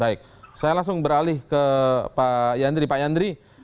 baik saya langsung beralih ke pak yandri